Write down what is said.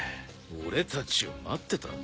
俺たちを待ってた？